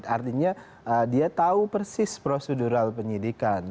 artinya dia tahu persis prosedural penyidikan